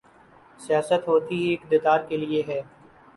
سیاست ہوتی ہی اقتدار کے لیے ہے۔